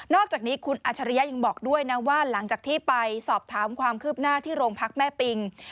อกจากนี้คุณอัชริยะยังบอกด้วยนะว่าหลังจากที่ไปสอบถามความคืบหน้าที่โรงพักแม่ปิง